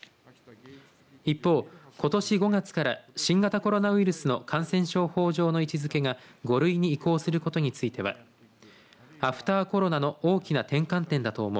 一方、ことし５月から新型コロナウイルスの感染症法上の位置づけが５類に移行することについてはアフターコロナの大きな転換点だと思う。